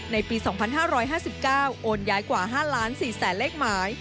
ในปี๒๕๕๙โอนย้ายกว่า๕๔๐๐๐เลขหมาย